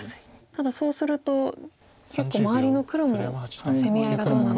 ただそうすると結構周りの黒の攻め合いがどうなのか。